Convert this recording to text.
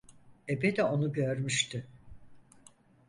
Ebe de onu görmüştü.